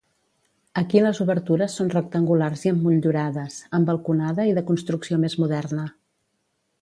Aquí les obertures són rectangulars i emmotllurades, amb balconada i de construcció més moderna.